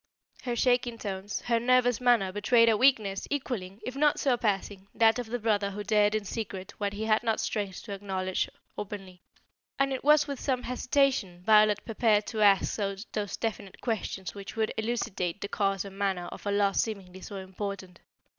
Her shaking tones, her nervous manner betrayed a weakness equalling, if not surpassing, that of the brother who dared in secret what he had not strength to acknowledge openly, and it was with some hesitation Violet prepared to ask those definite questions which would elucidate the cause and manner of a loss seemingly so important.